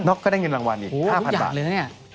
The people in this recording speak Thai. นอกก็ได้เงินรางวัล๕๐๐๐บาทอ๋อเยี่ยมอยากนะนี่